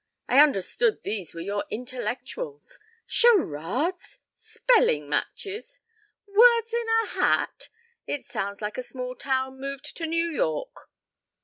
I understood these were your intellectuals. Charades! Spelling matches! Words in the hat! It sounds like a small town moved to New York."